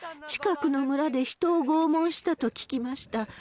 近くの村で人を拷問したと聞きました。